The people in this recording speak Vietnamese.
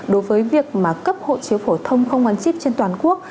đối với việc mà cấp hộ chiếu phổ thông không gắn chip trên toàn quốc